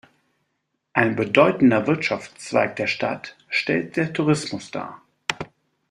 Ein bedeutender Wirtschaftszweig der Stadt stellt der Tourismus dar.